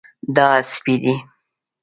دا سپی دی